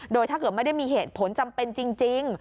โดยถ้าเกิดไม่ได้มีเหตุผลจำเป็นจริง